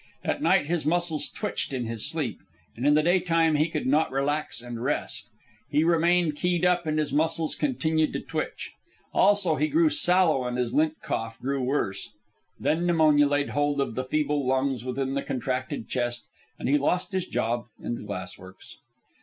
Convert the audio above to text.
At night his muscles twitched in his sleep, and in the daytime he could not relax and rest. He remained keyed up and his muscles continued to twitch. Also he grew sallow and his lint cough grew worse. Then pneumonia laid hold of the feeble lungs within the contracted chest, and he lost his job in the glass works.